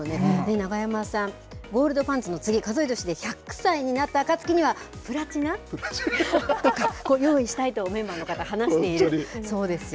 永山さん、ゴールドパンツの次、数え年で１００歳になったあかつきには、プラチナ？とか、用意したいと、メンバーの方が話しているそうですよ。